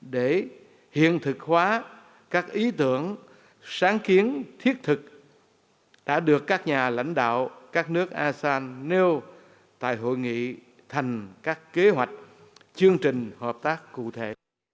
để hiện thực hóa các ý tưởng sáng kiến thiết thực đã được các nhà lãnh đạo các nước asean nêu tại hội nghị thành các kế hoạch chương trình hợp tác cụ thể